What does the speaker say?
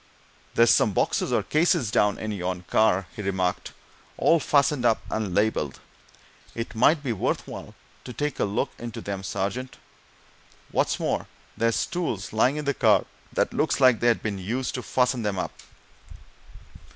"There's some boxes, or cases, down in yon car," he remarked. "All fastened up and labelled it might be worth while to take a look into them, sergeant. What's more, there's tools lying in the car that looks like they'd been used to fasten them up."